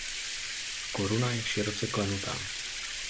Koruna je široce klenutá.